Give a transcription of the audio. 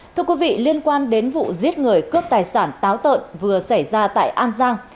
thưa quý vị liên quan đến vụ giết người cướp tài sản táo tợn vừa xảy ra tại an giang